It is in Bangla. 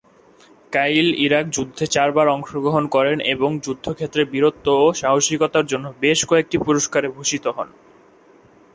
কাইল ইরাক যুদ্ধে চারবার অংশগ্রহণ করেন এবং যুদ্ধক্ষেত্রে বীরত্ব ও সাহসিকতার জন্য বেশ কয়েকটি পুরস্কারে ভূষিত হন।